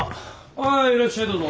ああいらっしゃいどうぞ。